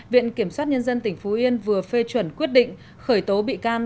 viện kiểm sát nhân dân tỉnh phú yên vừa phê chuẩn quyết định khởi tố bị can